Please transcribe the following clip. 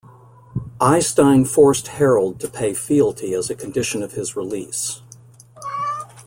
Eystein forced Harald to pay fealty as a condition of his release.